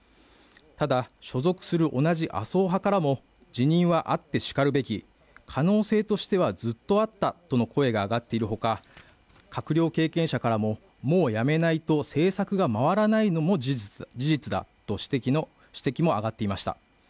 ただ所属する同じ麻生派からも辞任はあってしかるべき、可能性としてはずっとあったとの声が上がっているほか、閣僚経験者からももうやめないと政策が回らないのも事実だとの指摘も上がっていました。